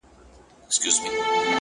پرمختګ د صبر او هڅې ګډه مېوه ده,